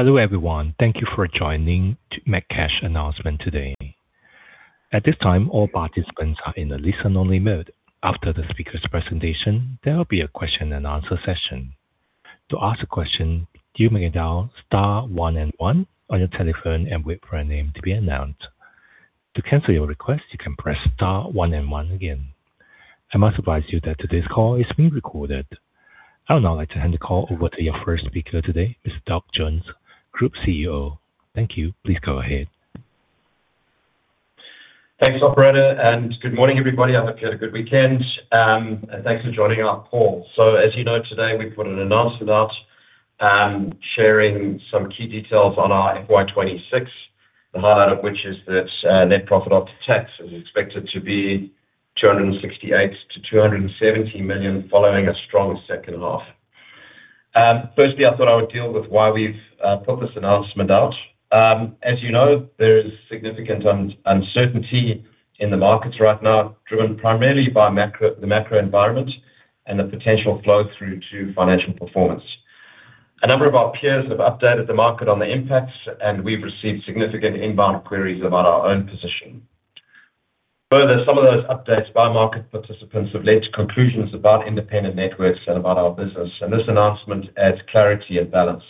Hello, everyone. Thank you for joining Metcash announcement today. At this time, all participants are on a listen-only mode. After the speaker's presentation, there will be a question-and-answer session. To ask a question you may dial star one and one on your telephone and wait for your name to be announced. To cancel your request you can press star one and one again. Please be advised that today's call is being recorded. I would now like to hand the call over to your first speaker today, Mr. Doug Jones, Group CEO. Thank you. Please go ahead. Thanks, operator, and good morning, everybody. I hope you had a good weekend. Thanks for joining our call. As you know, today, we put an announcement out, sharing some key details on our FY 2026. The highlight of which is that, net profit after tax is expected to be 268 million-270 million, following a strong second half. Firstly, I thought I would deal with why we've put this announcement out. As you know, there is significant uncertainty in the markets right now, driven primarily by the macro environment and the potential flow-through to financial performance. A number of our peers have updated the market on the impacts, and we've received significant inbound queries about our own position. Further, some of those updates by market participants have led to conclusions about independent networks and about our business, and this announcement adds clarity and balance.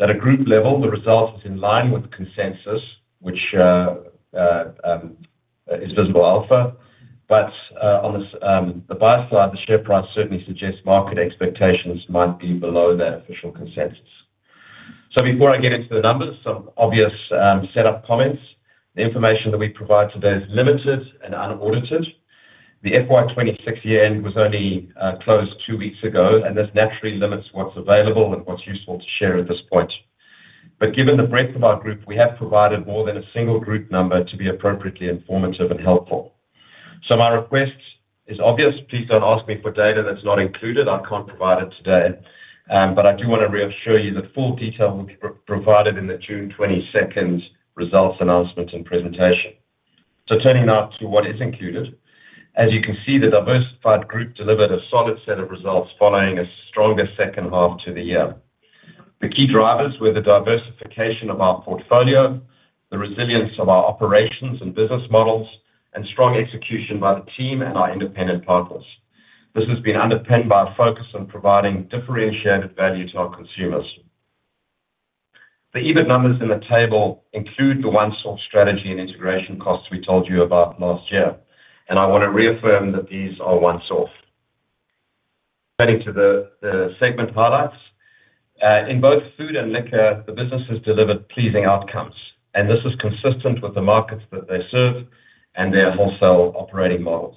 At a group level, the result is in line with consensus, which is Visible Alpha. On the buy side, the share price certainly suggests market expectations might be below that official consensus. Before I get into the numbers, some obvious set-up comments. The information that we provide today is limited and unaudited. The FY 2026 year-end was only closed two weeks ago, and this naturally limits what's available and what's useful to share at this point. Given the breadth of our group, we have provided more than a single group number to be appropriately informative and helpful. My request is obvious. Please don't ask me for data that's not included. I can't provide it today. I do want to reassure you that full detail will be provided in the June 22nd results announcement and presentation. Turning now to what is included. As you can see, the diversified group delivered a solid set of results following a stronger second half to the year. The key drivers were the diversification of our portfolio, the resilience of our operations and business models, and strong execution by the team and our independent partners. This has been underpinned by a focus on providing differentiated value to our consumers. The EBIT numbers in the table include the once-off strategy and integration costs we told you about last year. I want to reaffirm that these are once off. Adding to the segment highlights. In both Food and Liquor, the businesses delivered pleasing outcomes, and this is consistent with the markets that they serve and their wholesale operating models.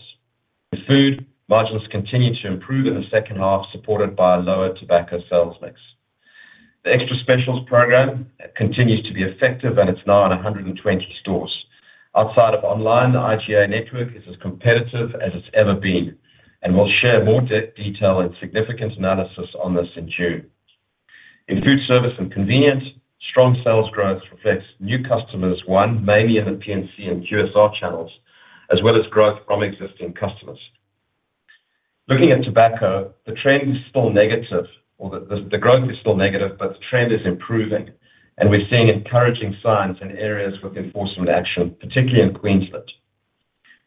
In Food, margins continued to improve in the second half, supported by a lower tobacco sales mix. The Extra Specials program continues to be effective, and it's now at 120 stores. Outside of online, the IGA network is as competitive as it's ever been, and we'll share more detail and significant analysis on this in June. In Foodservice & Convenience, strong sales growth reflects new customers, one, mainly in the P&C and QSR channels, as well as growth from existing customers. Looking at Tobacco, the trend is still negative or the growth is still negative, but the trend is improving, and we're seeing encouraging signs in areas with enforcement action, particularly in Queensland.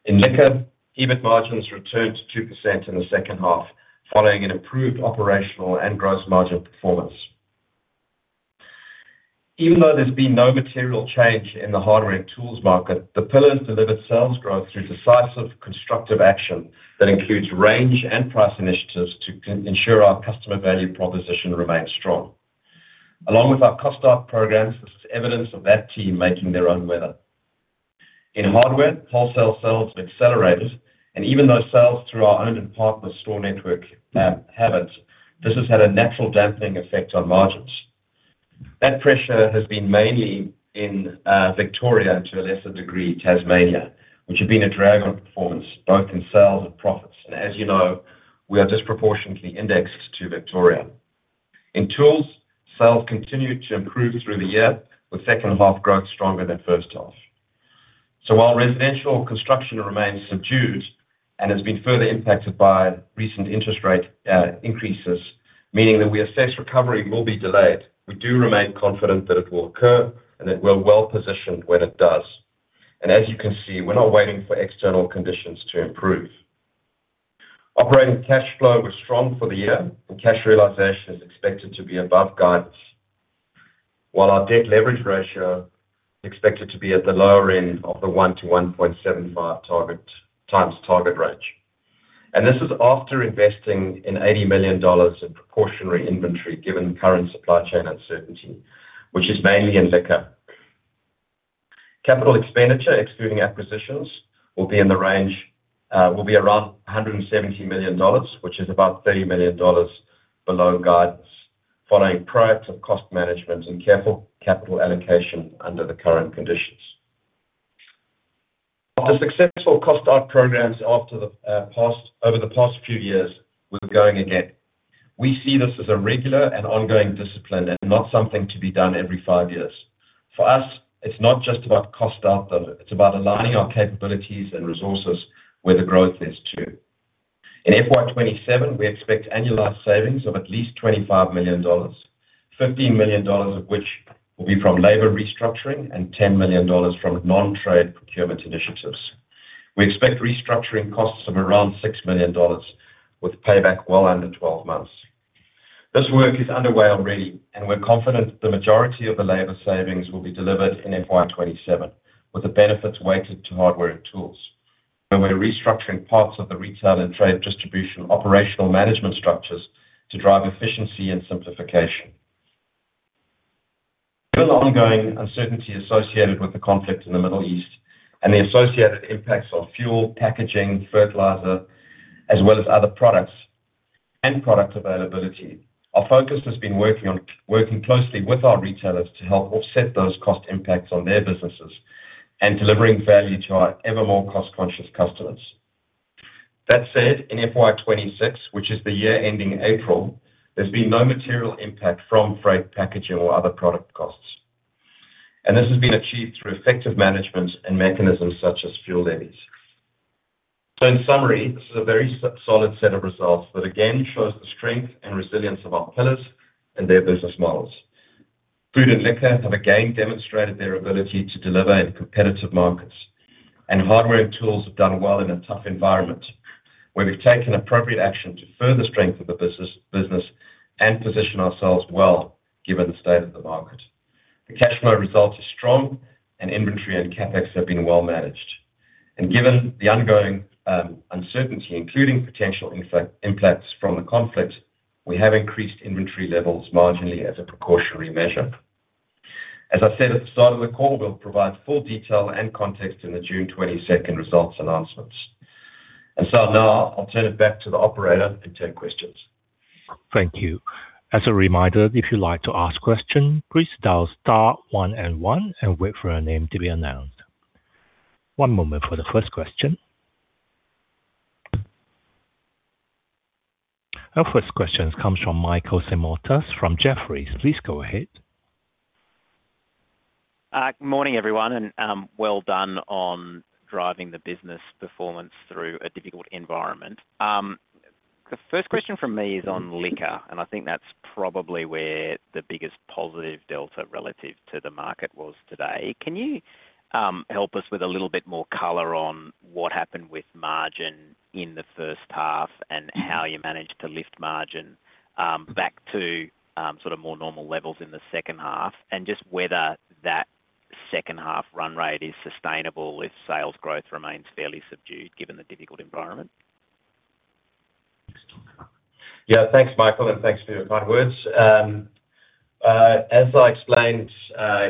In Liquor, EBIT margins returned to 2% in the second half, following an improved operational and gross margin performance. Even though there's been no material change in the Hardware and Tools market, the pillars delivered sales growth through decisive constructive action that includes range and price initiatives to ensure our customer value proposition remains strong. Along with our cost out programs, this is evidence of that team making their own weather. In Hardware, wholesale sales have accelerated, even though sales through our owned and partner store network haven't, this has had a natural damping effect on margins. That pressure has been mainly in Victoria and, to a lesser degree, Tasmania, which have been a drag on performance both in sales and profits. As you know, we are disproportionately indexed to Victoria. In Tools, sales continued to improve through the year, with second half growth stronger than first half. While residential construction remains subdued and has been further impacted by recent interest rate increases, meaning that we assess recovery will be delayed, we do remain confident that it will occur and that we're well-positioned when it does. As you can see, we're not waiting for external conditions to improve. Operating cash flow was strong for the year, and cash realization is expected to be above guidance. While our debt leverage ratio expected to be at the lower end of the 1x to 1.75x target range. This is after investing in 80 million dollars in precautionary inventory, given current supply chain uncertainty, which is mainly in Liquor. Capital expenditure, excluding acquisitions, will be in the range, will be around 170 million dollars, which is about 30 million dollars below guidance, following proactive cost management and careful capital allocation under the current conditions. After successful cost out programs over the past few years, we're going again. We see this as a regular and ongoing discipline and not something to be done every five years. For us, it's not just about cost out, though. It's about aligning our capabilities and resources where the growth is too. In FY 2027, we expect annualized savings of at least 25 million dollars, 15 million dollars of which will be from labor restructuring and 10 million dollars from non-trade procurement initiatives. We expect restructuring costs of around 6 million dollars with payback well under 12 months. This work is underway already. We're confident that the majority of the labor savings will be delivered in FY 2027, with the benefits weighted to Hardware and Tools. We're restructuring parts of the retail and trade distribution operational management structures to drive efficiency and simplification. Given the ongoing uncertainty associated with the conflict in the Middle East and the associated impacts on fuel, packaging, fertilizer, as well as other products and product availability, our focus has been working closely with our retailers to help offset those cost impacts on their businesses and delivering value to our evermore cost-conscious customers. That said, in FY 2026, which is the year ending April, there's been no material impact from freight, packaging or other product costs. This has been achieved through effective management and mechanisms such as fuel levies. In summary, this is a very solid set of results that again shows the strength and resilience of our pillars and their business models. Food and Liquor have again demonstrated their ability to deliver in competitive markets. Hardware and Tools have done well in a tough environment, where we've taken appropriate action to further strengthen the business and position ourselves well given the state of the market. The cash flow results are strong, inventory and CapEx have been well managed. Given the ongoing uncertainty, including potential impacts from the conflict, we have increased inventory levels marginally as a precautionary measure. As I said at the start of the call, we'll provide full detail and context in the June 22nd results announcements. Now I'll turn it back to the operator to take questions. Thank you. As a reminder, if you'd like to ask question, please dial star one and one and wait for your name to be announced. One moment for the first question. Our first question comes from Michael Simotas from Jefferies. Please go ahead. Good morning, everyone, and well done on driving the business performance through a difficult environment. The first question from me is on Liquor, and I think that's probably where the biggest positive delta relative to the market was today. Can you help us with a little bit more color on what happened with margin in the first half and how you managed to lift margin back to sort of more normal levels in the second half? Just whether that second half run rate is sustainable if sales growth remains fairly subdued given the difficult environment. Thanks, Michael, and thanks for your kind words. As I explained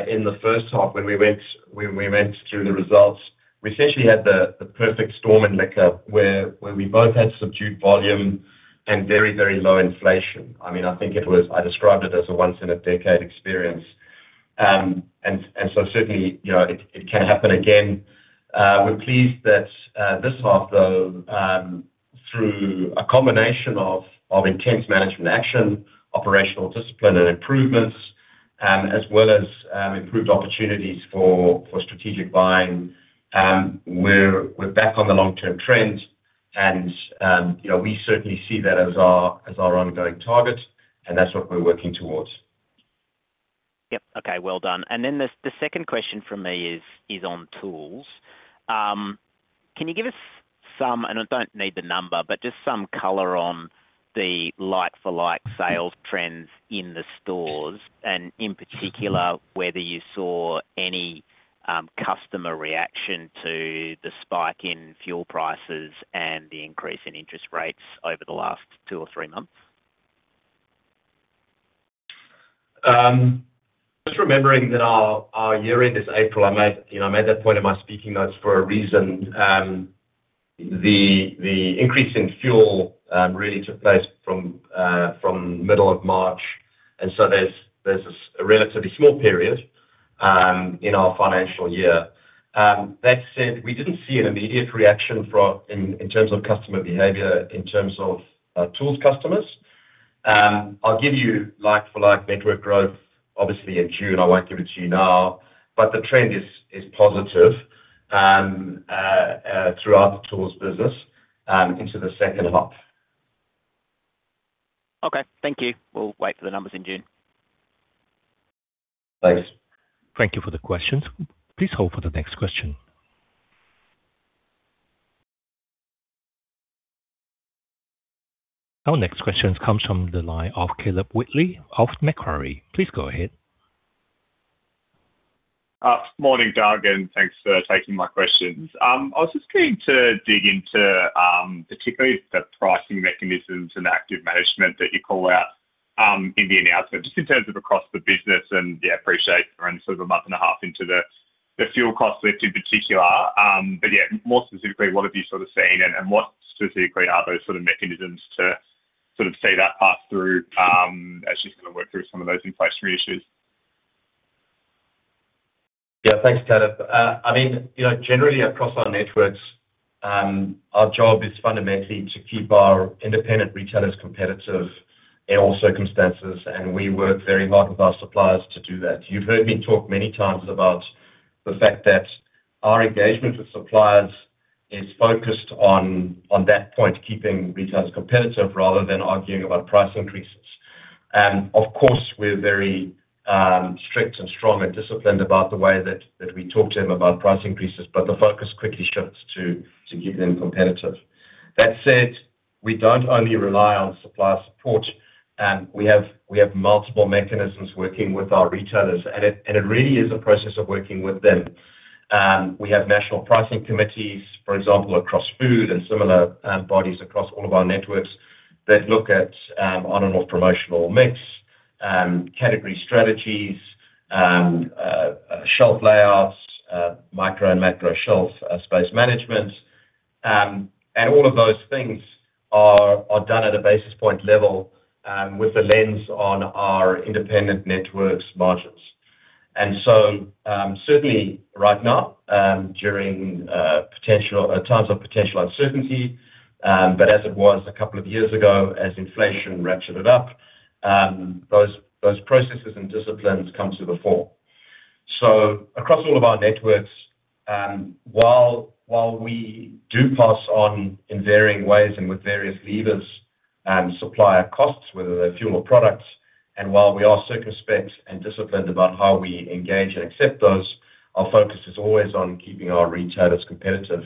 in the first half when we went through the results, we essentially had the perfect storm in Liquor where we both had subdued volume and very, very low inflation. I mean, I described it as a once in a decade experience. Certainly, you know, it can happen again. We're pleased that this half though, through a combination of intense management action, operational discipline and improvements, as well as improved opportunities for strategic buying, we're back on the long-term trend and, you know, we certainly see that as our ongoing target, and that's what we're working towards. Yep. Okay. Well done. Then the second question from me is on Tools. Can you give us some, and I don't need the number, but just some color on the like-for-like sales trends in the stores, and in particular, whether you saw any customer reaction to the spike in fuel prices and the increase in interest rates over the last two or three months. Just remembering that our year-end is April. I made that point in my speaking notes for a reason. The increase in fuel really took place from middle of March, there's a relatively small period in our financial year. That said, we didn't see an immediate reaction from in terms of customer behavior in terms of Tools customers. I'll give you like-for-like network growth obviously in June. I won't give it to you now. The trend is positive throughout the Tools business into the second half. Okay. Thank you. We'll wait for the numbers in June. Thanks. Thank you for the question. Please hold for the next question. Our next question comes from the line of Caleb Whitley of Macquarie. Please go ahead. Morning, Doug, and thanks for taking my questions. I was just keen to dig into particularly the pricing mechanisms and active management that you call out in the announcement, just in terms of across the business and, yeah, appreciate we're in sort of a month and a half into the fuel cost lift in particular. Yeah, more specifically, what have you sort of seen and, what specifically are those sort of mechanisms to sort of see that pass through as you sort of work through some of those inflationary issues? Yeah. Thanks, Caleb. I mean, you know, generally across our networks, our job is fundamentally to keep our independent retailers competitive in all circumstances, and we work very hard with our suppliers to do that. You've heard me talk many times about the fact that our engagement with suppliers is focused on that point, keeping retailers competitive rather than arguing about price increases. Of course, we're very strict and strong and disciplined about the way that we talk to them about price increases, but the focus quickly shifts to keeping them competitive. That said, we don't only rely on supplier support. We have multiple mechanisms working with our retailers. It really is a process of working with them. We have national pricing committees, for example, across Food and similar bodies across all of our networks that look at on and off promotional mix, category strategies, shelf layouts, micro and macro shelf space management. All of those things are done at a basis point level with the lens on our independent networks margins. Certainly right now, during times of potential uncertainty, but as it was a couple of years ago, as inflation ratcheted up, those processes and disciplines come to the fore. Across all of our networks, while we do pass on in varying ways and with various levers, supplier costs, whether they're fuel or products, and while we are circumspect and disciplined about how we engage and accept those, our focus is always on keeping our retailers competitive.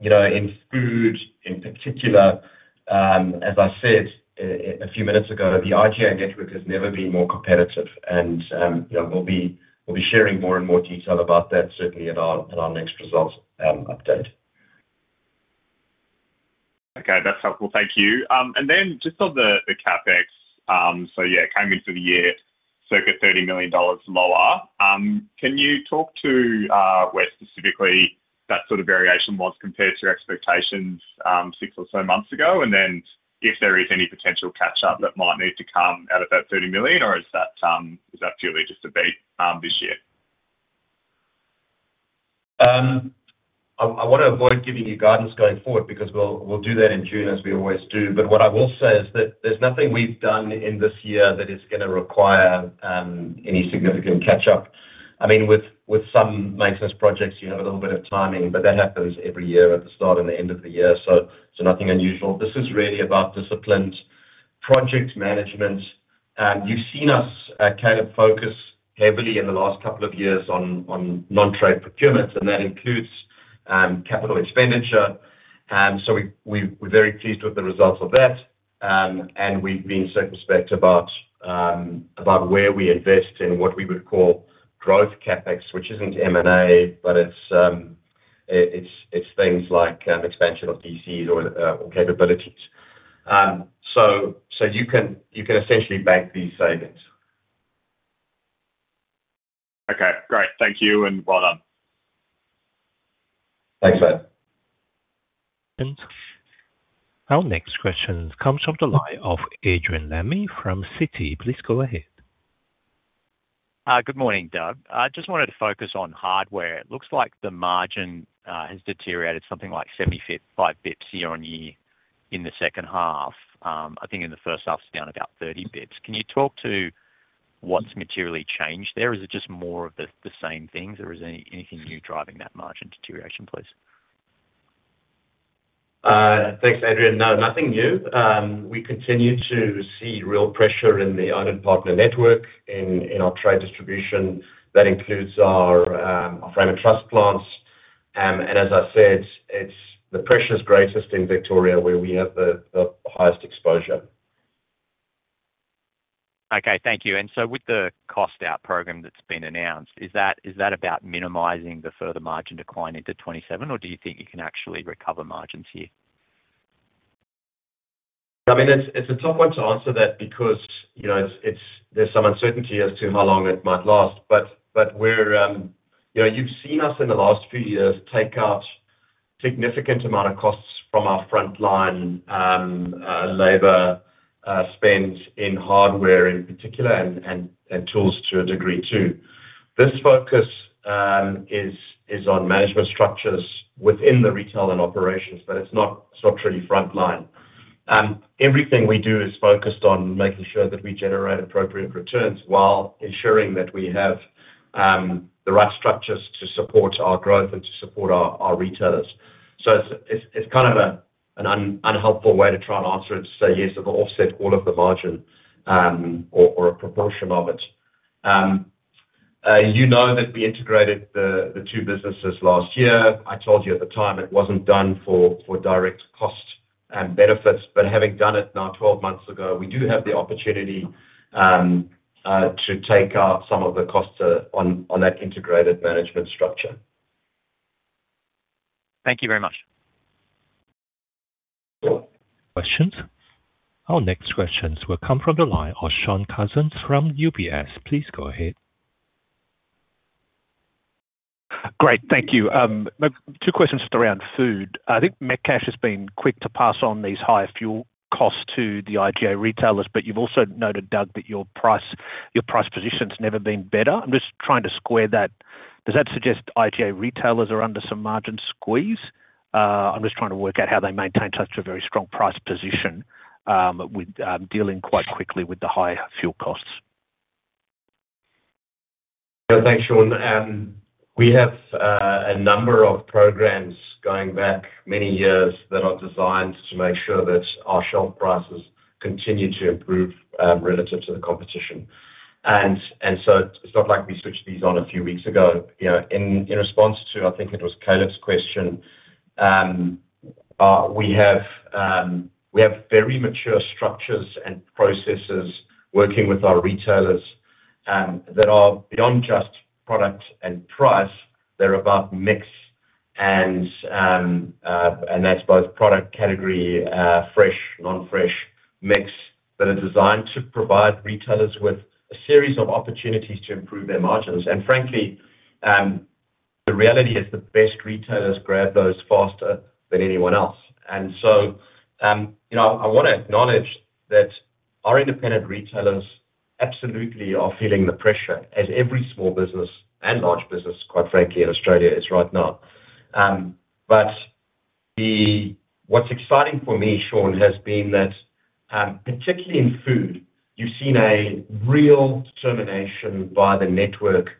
You know, in Food, in particular, as I said a few minutes ago, the IGA network has never been more competitive and, you know, we'll be sharing more and more detail about that certainly at our next results update. Okay. That's helpful. Thank you. Just on the CapEx, so yeah, it came into the year circa 30 million dollars lower. Can you talk to where specifically that sort of variation was compared to expectations, six or so months ago? If there is any potential catch-up that might need to come out of that 30 million or is that purely just a beat this year? I want to avoid giving you guidance going forward because we'll do that in June as we always do. What I will say is that there's nothing we've done in this year that is going to require any significant catch-up. I mean, with some maintenance projects, you have a little bit of timing, but that happens every year at the start and the end of the year. Nothing unusual. This is really about disciplined project management. You've seen us kind of focus heavily in the last couple of years on non-trade procurements, and that includes capital expenditure. We're very pleased with the results of that. We've been circumspect about where we invest in what we would call growth CapEx which isn't M&A, but it's things like expansion of DCs or capabilities. You can essentially bank these savings. Okay, great. Thank you, and well done. Thanks, [Caleb]. Our next question comes from the line of Adrian Lemme from Citi. Please go ahead. Good morning, Doug. I just wanted to focus on Hardware. It looks like the margin has deteriorated something like 75 basis points year-on-year in the second half. I think in the first half it's down about 30 basis points. Can you talk to what's materially changed there? Is it just more of the same things, or is anything new driving that margin deterioration, please? Thanks, Adrian. No, nothing new. We continue to see real pressure in the owned and partner network in our trade distribution. That includes our frame and truss plants. As I said, the pressure's greatest in Victoria, where we have the highest exposure. Okay. Thank you. With the cost out program that's been announced, is that about minimizing the further margin decline into 2027 or do you think you can actually recover margins here? I mean, it's a tough one to answer that because, you know, there's some uncertainty as to how long it might last. We're, you know, you've seen us in the last few years take out significant amount of costs from our frontline labor spend in Hardware in particular and tools to a degree too. This focus is on management structures within the retail and operations, but it's not really frontline. Everything we do is focused on making sure that we generate appropriate returns while ensuring that we have the right structures to support our growth and to support our retailers. It's kind of an unhelpful way to try and answer it to say yes, it will offset all of the margin or a proportion of it. You know that we integrated the two businesses last year. I told you at the time it wasn't done for direct cost benefits. Having done it now 12 months ago, we do have the opportunity to take out some of the costs on that integrated management structure. Thank you very much. Questions. Our next questions will come from the line of Shaun Cousins from UBS. Please go ahead. Great. Thank you. Two questions just around Food. I think Metcash has been quick to pass on these higher fuel costs to the IGA retailers, but you've also noted, Doug, that your price position's never been better. I'm just trying to square that. Does that suggest IGA retailers are under some margin squeeze? I'm just trying to work out how they maintain such a very strong price position, with dealing quite quickly with the higher fuel costs. Thanks, Shaun. We have a number of programs going back many years that are designed to make sure that our shelf prices continue to improve relative to the competition. It's not like we switched these on a few weeks ago. You know, in response to, I think it was Caleb's question, we have very mature structures and processes working with our retailers that are beyond just product and price. They're about mix, and that's both product category, fresh, non-fresh mix that are designed to provide retailers with a series of opportunities to improve their margins. Frankly, the reality is that the best retailers grab those faster than anyone else. You know, I wanna acknowledge that our independent retailers absolutely are feeling the pressure as every small business and large business, quite frankly, in Australia is right now. What's exciting for me, Shaun, has been that, particularly in Food, you've seen a real determination by the network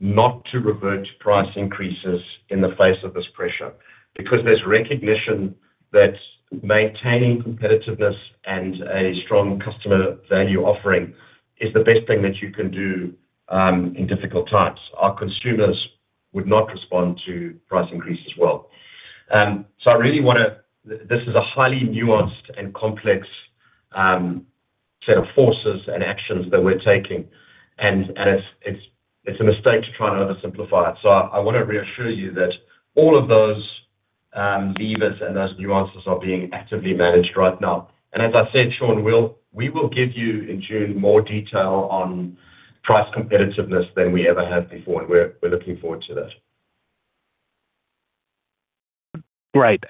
not to revert to price increases in the face of this pressure because there's recognition that maintaining competitiveness and a strong customer value offering is the best thing that you can do in difficult times. Our consumers would not respond to price increases well. This is a highly nuanced and complex set of forces and actions that we're taking, and it's a mistake to try and oversimplify it. I wanna reassure you that all of those levers and those nuances are being actively managed right now. As I said, Shaun, we will give you in June more detail on price competitiveness than we ever have before, and we're looking forward to that. Great.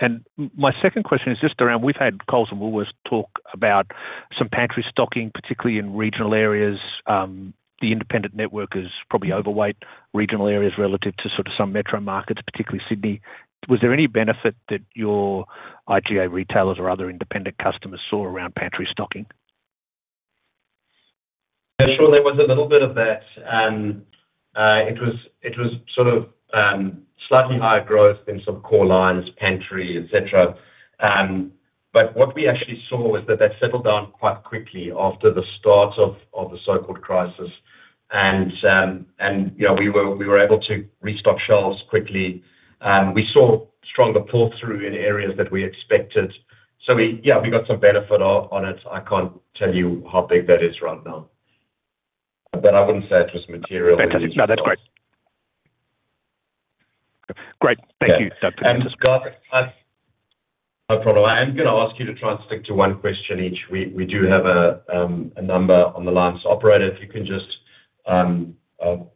My second question is just around, we've had Coles and Woolworths talk about some pantry stocking, particularly in regional areas. The independent network is probably overweight regional areas relative to sort of some metro markets, particularly Sydney. Was there any benefit that your IGA retailers or other independent customers saw around pantry stocking? Sure. There was a little bit of that. It was sort of slightly higher growth in some core lines, pantry, et cetera. What we actually saw is that that settled down quite quickly after the start of the so-called crisis. You know, we were able to restock shelves quickly. We saw stronger pull-through in areas that we expected. So we yeah, we got some benefit on it. I can't tell you how big that is right now, but I wouldn't say it was material. Fantastic. No, that's great. Great. Thank you, Doug. Scott. No problem. I am gonna ask you to try and stick to one question each. We do have a number on the lines. Operator, if you can just put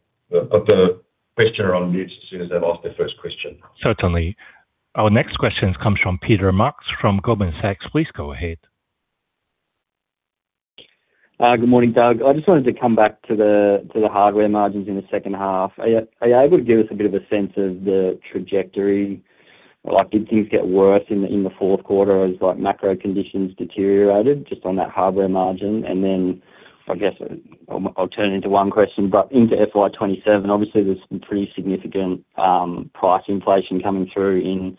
the questioner on mute as soon as they've asked their first question. Certainly. Our next question comes from Peter Marks from Goldman Sachs. Please go ahead. Good morning, Doug. I just wanted to come back to the, to the Hardware margins in the second half. Are you, are you able to give us a bit of a sense of the trajectory? Like, did things get worse in the, in the fourth quarter as, like, macro conditions deteriorated just on that Hardware margin? Then I guess I'll turn it into one question. Into FY 2027, obviously there's some pretty significant price inflation coming through in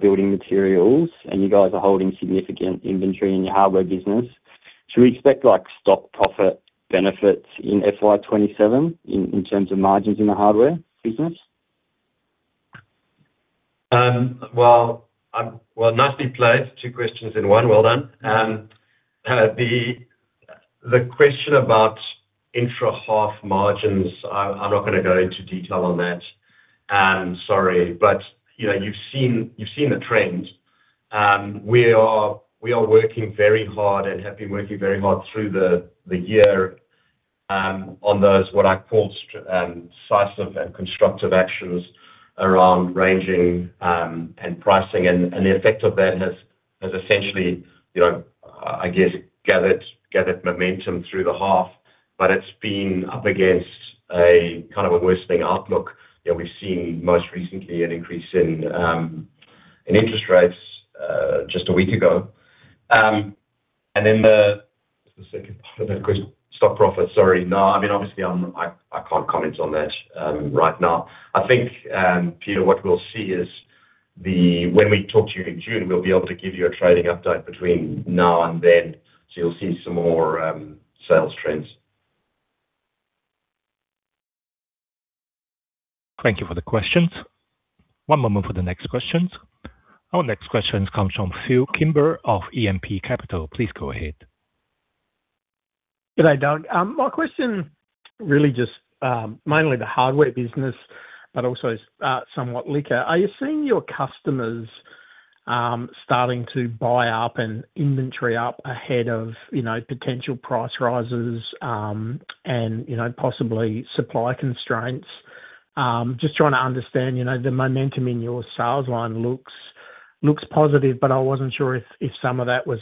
building materials, and you guys are holding significant inventory in your Hardware business. Should we expect like stock profit benefits in FY 2027 in terms of margins in the Hardware business? Nicely played. Two questions in one. Well done. The question about intra-half margins, I'm not gonna go into detail on that. Sorry. You know, you've seen the trends. We are working very hard and have been working very hard through the year on those what I call decisive and constructive actions around ranging and pricing. The effect of that has essentially, you know, I guess gathered momentum through the half, but it's been up against a kind of a worsening outlook. You know, we've seen most recently an increase in interest rates just a week ago. What was the second part of that question? Stock profits. Sorry. No, I mean, obviously I can't comment on that right now. I think Peter, what we'll see when we talk to you in June, we'll be able to give you a trading update between now and then, so you'll see some more sales trends. Thank you for the questions. One moment for the next question. Our next question comes from Phil Kimber of E&P Capital. Please go ahead. G'day, Doug. My question really just mainly the Hardware business, but also somewhat Liquor. Are you seeing your customers starting to buy up and inventory up ahead of, you know, potential price rises, and you know, possibly supply constraints? Just trying to understand, you know, the momentum in your sales line looks positive, but I wasn't sure if some of that was,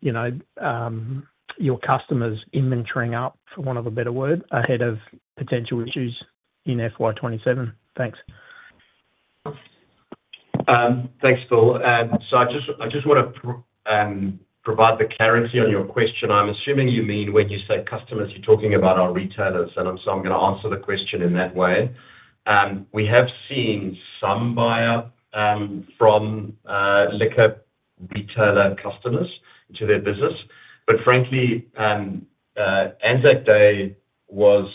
you know, your customers inventorying up, for want of a better word, ahead of potential issues in FY 2027. Thanks. Thanks, Phil. I just wanna provide the clarity on your question. I'm assuming you mean when you say customers, you're talking about our retailers, I'm gonna answer the question in that way. We have seen some buy up from Liquor retailer customers into their business. Frankly, ANZAC Day was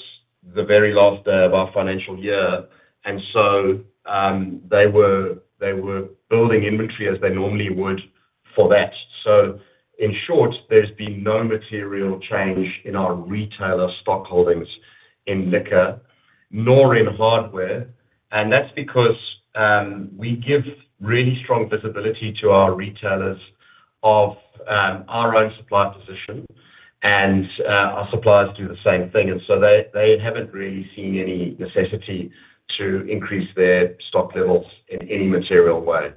the very last day of our financial year and they were building inventory as they normally would for that. In short, there's been no material change in our retailer stock holdings in Liquor nor in Hardware. That's because we give really strong visibility to our retailers of our own supply position and our suppliers do the same thing. They haven't really seen any necessity to increase their stock levels in any material way.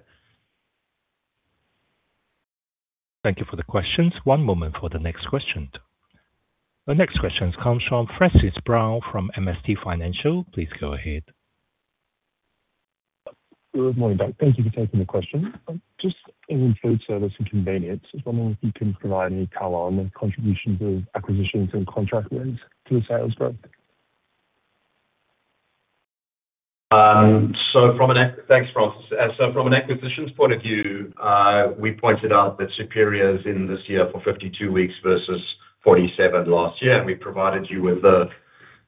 Thank you for the questions. One moment for the next question. The next question comes from Francis Brown from MST Financial. Please go ahead. Good morning, Doug. Thank you for taking the question. Just in Foodservice & Convenience, I was wondering if you can provide any color on the contributions of acquisitions and contract wins to the sales growth. Thanks, Francis. From an acquisitions point of view, we pointed out that Superior's in this year for 52 weeks versus 47 last year. We provided you with the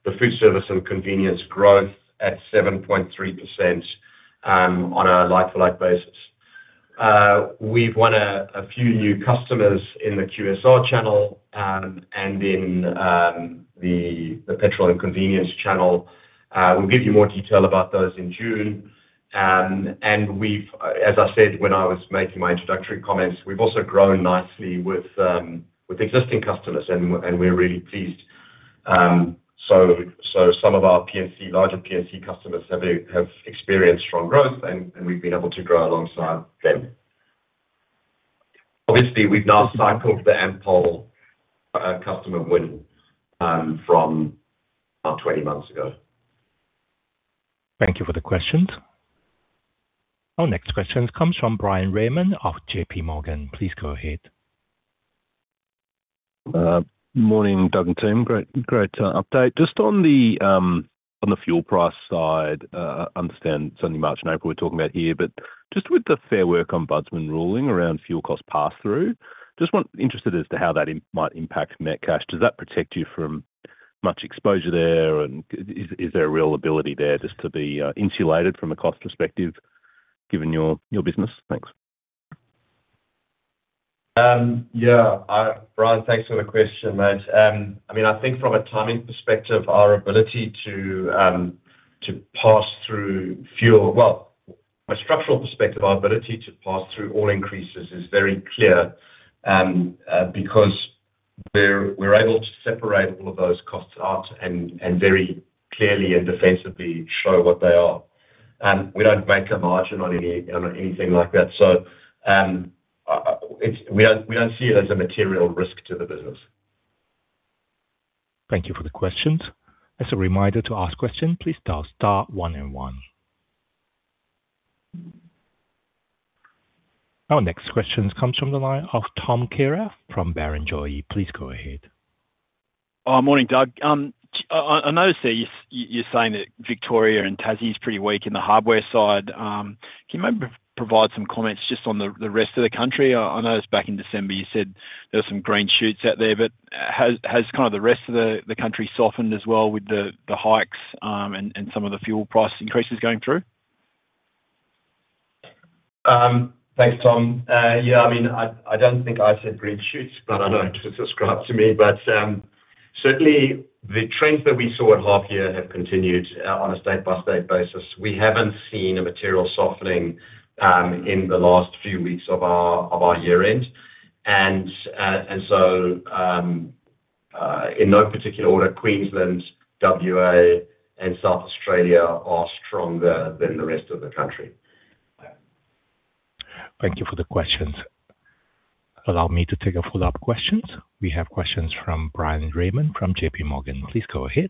Foodservice & Convenience growth at 7.3% on a like-for-like basis. We've won a few new customers in the QSR channel and in the petrol and convenience channel. We'll give you more detail about those in June. As I said when I was making my introductory comments, we've also grown nicely with existing customers and we, and we're really pleased. So some of our P&C, larger P&C customers have experienced strong growth and we've been able to grow alongside them. Obviously, we've now cycled the Ampol customer win from about 20 months ago. Thank you for the questions. Our next question comes from Bryan Raymond of JPMorgan. Please go ahead. Morning, Doug and team. Great update. Just on the fuel price side, I understand it's only March and April we're talking about here. Just with the Fair Work Ombudsman ruling around fuel cost pass-through, interested as to how that might impact Metcash. Does that protect you from much exposure there and is there a real ability there just to be insulated from a cost perspective given your business? Thanks. Yeah. Bryan, thanks for the question, mate. I mean, from a structural perspective, our ability to pass through all increases is very clear because we're able to separate all of those costs out and very clearly and defensively show what they are. We don't make a margin on anything like that. We don't see it as a material risk to the business. Thank you for the questions. As a reminder to ask question, please dial star one and one. Our next question comes from the line of Tom Kierath from Barrenjoey. Please go ahead. Oh, morning, Doug. I noticed that you're saying that Victoria and Tassie is pretty weak in the Hardware side. Can you maybe provide some comments just on the rest of the country? I noticed back in December you said there were some green shoots out there, but has kind of the rest of the country softened as well with the hikes and some of the fuel price increases going through? Thanks, Tom. Yeah, I mean, I don't think I said green shoots. Not a note to subscribe to me. Certainly the trends that we saw at half year have continued on a state-by-state basis. We haven't seen a material softening in the last few weeks of our year end. In no particular order, Queensland, WA, and South Australia are stronger than the rest of the country. Yeah. Thank you for the questions. Allow me to take a follow-up questions. We have questions from Bryan Raymond from JPMorgan. Please go ahead.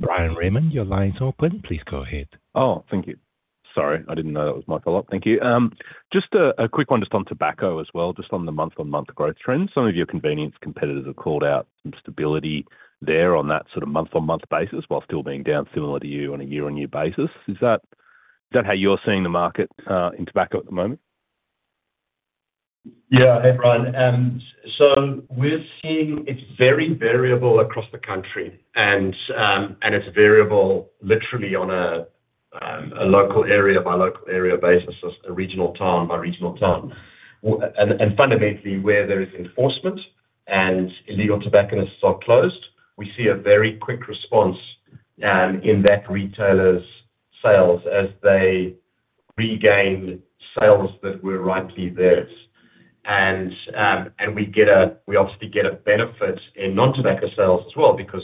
Bryan Raymond, your line is open. Please go ahead. Oh, thank you. Sorry, I didn't know that was my follow-up. Thank you. Just a quick one just on Tobacco as well, just on the month-on-month growth trends. Some of your convenience competitors have called out some stability there on that sort of month-on-month basis while still being down similar to you on a year-on-year basis. Is that how you're seeing the market in Tobacco at the moment? Yeah. Hey, Bryan. We're seeing it's very variable across the country and it's variable literally on a local area by local area basis, so it's a regional town by regional town. Fundamentally, where there is enforcement and illegal tobacconists are closed, we see a very quick response in that retailer's sales as they regain sales that were rightly theirs. We obviously get a benefit in non-tobacco sales as well because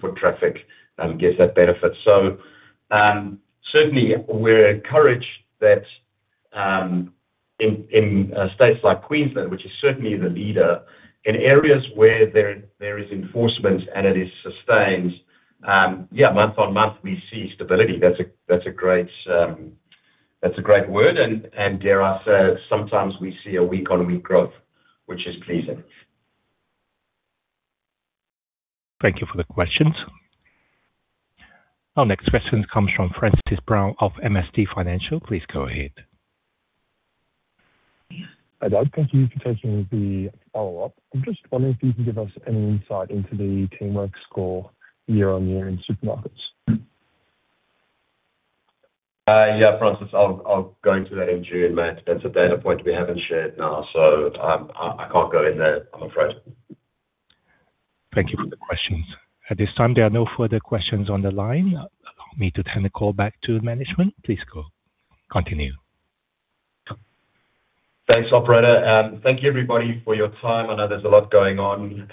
foot traffic gets that benefit. Certainly we're encouraged that in states like Queensland, which is certainly the leader, in areas where there is enforcement and it is sustained, month-on-month, we see stability. That's a great, that's a great word. Dare I say, sometimes we see a week-on-week growth, which is pleasing. Thank you for the questions. Our next question comes from Francis Brown of MST Financial. Please go ahead. Hi, Doug. Thank you for taking the follow-up. I'm just wondering if you can give us any insight into the teamwork score year-on-year in supermarkets. Yeah, Francis, I'll go into that in June, mate. That's a data point we haven't shared now, so I can't go in there, I'm afraid. Thank you for the questions. At this time, there are no further questions on the line. Allow me to turn the call back to management. Please go. Continue. Thanks, operator. Thank you, everybody, for your time. I know there's a lot going on,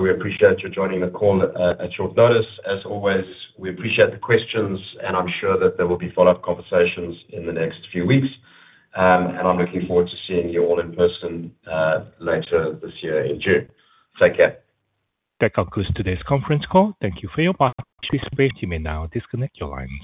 we appreciate you joining the call at short notice. As always, we appreciate the questions, I'm sure that there will be follow-up conversations in the next few weeks. I'm looking forward to seeing you all in person later this year in June. Take care. That concludes today's conference call. Thank you for your participation. You may now disconnect your lines.